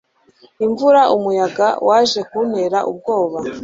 imvura 'umuyaga waje kuntera ubwoba